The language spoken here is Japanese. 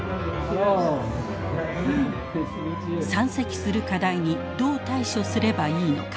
山積する課題にどう対処すればいいのか。